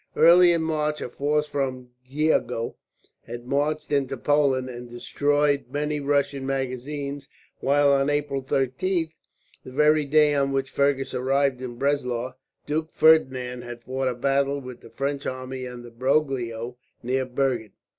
Early in March a force from Glogau had marched into Poland, and destroyed many Russian magazines; while on April 13th, the very day on which Fergus arrived at Breslau, Duke Ferdinand had fought a battle with the French army under Broglio, near Bergen.